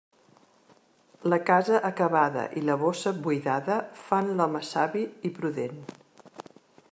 La casa acabada i la bossa buidada fan l'home savi i prudent.